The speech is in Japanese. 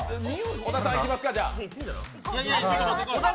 小田さん、いきますか、じゃあ。